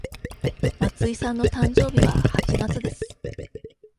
松井さんの誕生日は八月です。